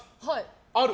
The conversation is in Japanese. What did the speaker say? ある？